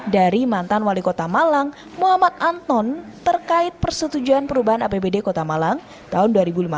dari mantan wali kota malang muhammad anton terkait persetujuan perubahan apbd kota malang tahun dua ribu lima belas